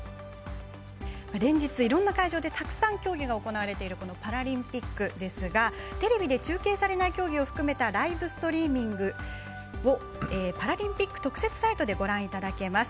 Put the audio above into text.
連日、いろんな会場でたくさん競技が行われているこのパラリンピックですがテレビで中継されない競技を含めたライブストリーミングをパラリンピック特設サイトでご覧いただけます。